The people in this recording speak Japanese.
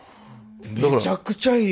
めちゃくちゃいい。